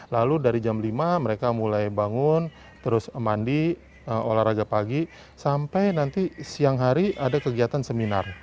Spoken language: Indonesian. lalu dari jam lima mereka mulai bangun terus mandi olahraga pagi sampai nanti siang hari ada kegiatan seminar